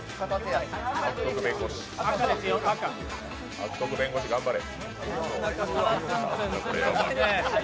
悪徳弁護士、頑張れ。